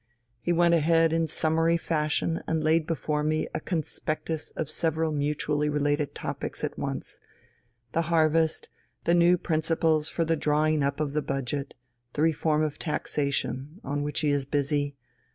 He went ahead in summary fashion and laid before me a conspectus of several mutually related topics at once the harvest, the new principles for the drawing up of the budget, the reform of taxation, on which he is busy.